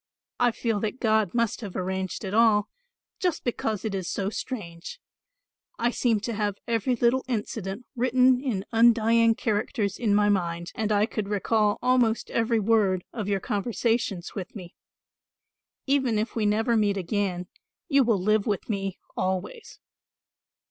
I feel that God must have arranged it all, just because it is so strange. I seem to have every little incident written in undying characters in my mind, and I could recall almost every word of your conversations with me. Even if we never meet again, you will live with me always."